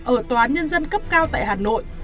ở toán nhân dân cấp cao tại hà nội